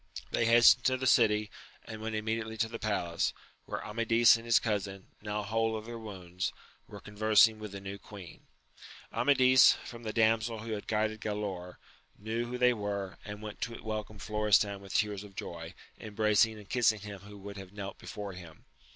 They hastened to the city, and went immediately to the palace, where Amadis and his cousin, now whole of their wounds, were conversing with the new queen. Amadis, from the damsel who had guided Galaor, knew who they were, and went to welcome Florestan with tears of joy, embracing and kissing him who would have knelt before him.